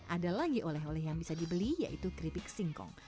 ada lagi oleh oleh yang bisa dibeli yaitu keripik singkong